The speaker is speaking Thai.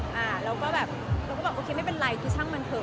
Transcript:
แล้วก็แบบโอเคไม่เป็นไรคือช่างมันเถอะ